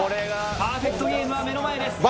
パーフェクトゲームは目の前です。